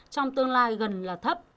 trong tương lai gần là thấp